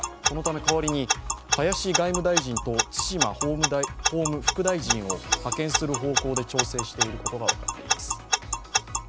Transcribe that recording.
このため代わりに林外務大臣と津島法務副大臣を派遣する方向で調整していることが分かっています。